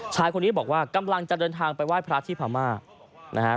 ชายคนนี้บอกว่ากำลังจะเดินทางไปไหว้พระที่พม่านะฮะ